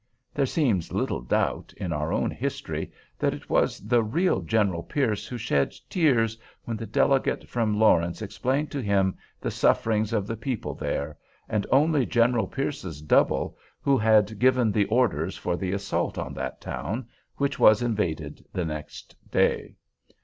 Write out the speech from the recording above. There seems little doubt, in our own history, that it was the real General Pierce who shed tears when the delegate from Lawrence explained to him the sufferings of the people there—and only General Pierce's double who had given the orders for the assault on that town, which was invaded the next day.